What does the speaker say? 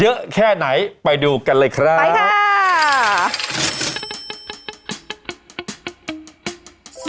เยอะแค่ไหนไปดูกันเลยครับ